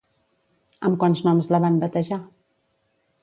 Amb quants noms la van batejar?